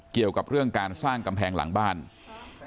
เกี่ยวกับเรื่องการสร้างกำแพงหลังบ้าน